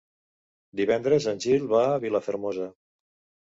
Divendres en Gil va a Vilafermosa.